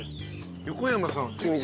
横山さん。